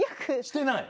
してない？